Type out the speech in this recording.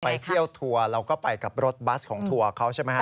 ไปเที่ยวทัวร์เราก็ไปกับรถบัสของทัวร์เขาใช่ไหมฮะ